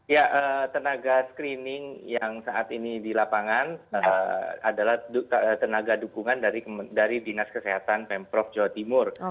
ya tenaga screening yang saat ini di lapangan adalah tenaga dukungan dari dinas kesehatan pemprov jawa timur